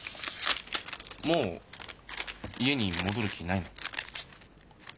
もう家に戻る気ないの？